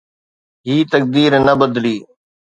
هي تقدير نه بدلي